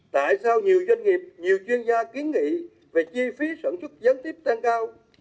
tại sao nhiều doanh nghiệp nhiều chuyên gia kiến nghị về chi phí sản xuất gián tiếp tăng cao